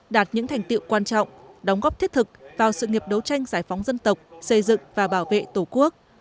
đạt những thành tiệu quan trọng đóng góp thiết thực vào sự nghiệp đấu tranh giải phóng dân tộc xây dựng và bảo vệ tổ quốc